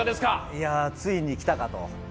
ついに来たかと。